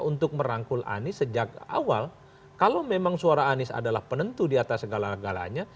untuk merangkul anies sejak awal kalau memang suara anies adalah penentu di atas segala galanya